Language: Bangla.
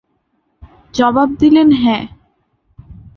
জবাব দিলেন "হ্যাঁ"।